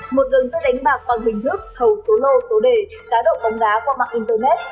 một đường xe đánh bạc bằng bình thước thầu số lô số đề đá động bắn đá qua mạng internet